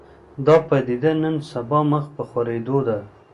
دا پدیده نن سبا مخ په خورېدو ده